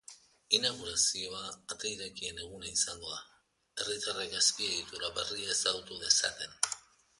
Inaugurazioa ate irekien eguna izango da, herritarrek azpiegitura berria ezagutu dezaten.